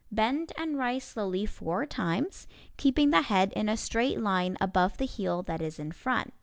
Bend and rise slowly four times; keeping the head in a straight line above the heel that is in front.